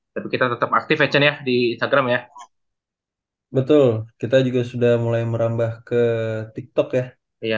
tapi kita tetap aktifnya di instagram ya betul kita juga sudah mulai merambah ke tiktok ya iya